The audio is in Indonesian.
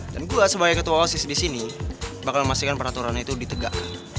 dan gue sebagai ketua osis disini bakal memastikan peraturan itu ditegak